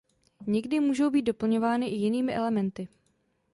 Někdy můžou být doplňovány i jinými elementy.